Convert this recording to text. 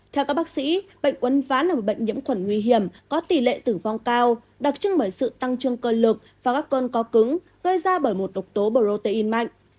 theo các bác sĩ bệnh uốn ván là một bệnh nhiễm khuẩn nguy hiểm có tỷ lệ tử vong cao đặc trưng bởi sự tăng trương cơ lực và các cơn có cứng gây ra bởi một độc tố protein mạnh